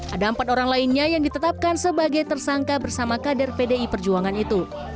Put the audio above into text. ada empat orang lainnya yang ditetapkan sebagai tersangka bersama kader pdi perjuangan itu